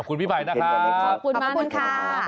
ขอบคุณพี่ภัยนะคะ